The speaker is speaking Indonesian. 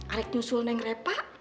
arak nyusul neng repa